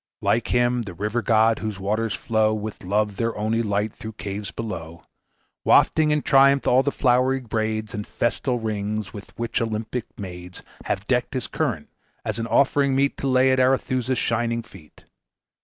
Like him the river god, whose waters flow, With love their only light, through caves below, Wafting in triumph all the flowery braids And festal rings, with which Olympic maids Have decked his current, as an offering meet To lay at Arethusa's shining feet.